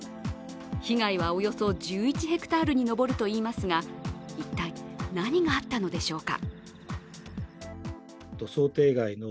被害はおよそ１１ｈａに上るといいますが、一体何があったのでしょうか。